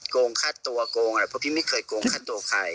โกงฆ่าตัวโกงอะไรพวกพี่ไม่เคยโกงฆ่าตัวใคร